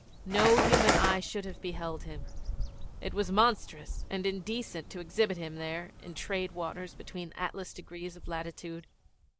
No human eye should have beheld him; it was monstrous and indecent to exhibit him there in trade waters between atlas degrees of latitude.